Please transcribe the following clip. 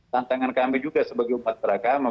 tantangan kami juga sebagai umat beragama